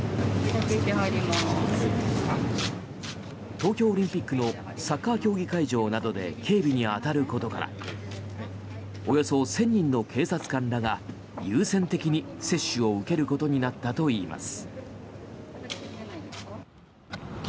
東京オリンピックのサッカー競技会場などで警備に当たることからおよそ１０００人の警察官らが優先的に接種を受けることになったといいます。